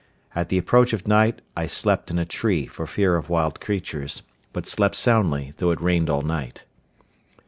At the approach of night I slept in a tree, for fear of wild creatures; but slept soundly, though it rained all night.